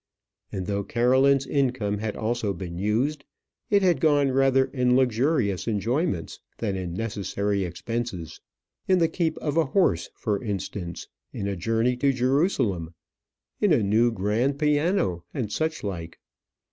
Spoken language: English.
And though Caroline's income had also been used, it had gone rather in luxurious enjoyments than in necessary expenses; in the keep of a horse, for instance, in a journey to Jerusalem, in a new grand piano, and such like.